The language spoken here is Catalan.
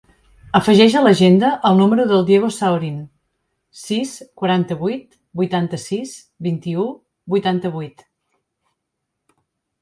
Afegeix a l'agenda el número del Diego Saorin: sis, quaranta-vuit, vuitanta-sis, vint-i-u, vuitanta-vuit.